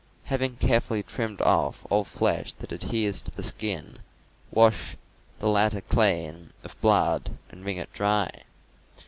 Having carefully trimmed off all flesh that adheres to the skin, wash the latter clean of blood and wring it dry.